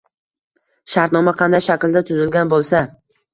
shartnoma qanday shaklda tuzilgan bo‘lsa